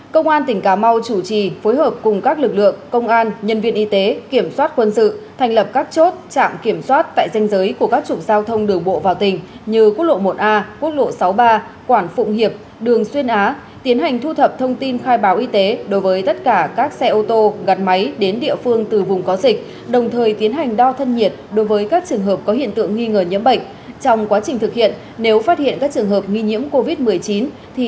công an tỉnh cà mau chủ trì phối hợp cùng các lực lượng công an nhân viên y tế kiểm soát quân sự thành lập các chốt trạm kiểm soát tại danh giới của các chủng giao thông đường bộ vào tỉnh như quốc lộ một a quốc lộ sáu mươi ba quảng phụng hiệp đường xuyên á tiến hành thu thập thông tin khai báo y tế đối với tất cả các xe ô tô gặt máy đến địa phương từ vùng có dịch đồng thời tiến hành đo thân nhiệt đối với các trường hợp có hiện tượng nghi ngờ nhiễm bệnh